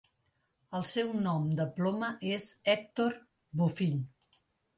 El seu nom de ploma és Hèctor Bofill.